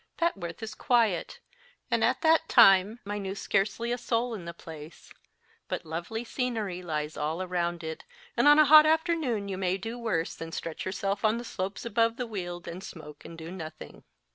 Petworth is quiet ; and at that time I knew scarcely a soul in the place ; but lovely scenery lies all around it, and on a hot afternoon you may do worse than stretch yourself on the slopes above the weald and smoke and do nothing.